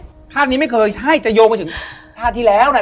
ภาพนี้ไม่เคยใช่จะโยงไปถึงชาติที่แล้วเนี่ย